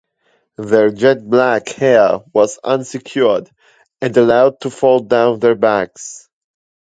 Their jet-black hair was unsecured and allowed to fall down their backs.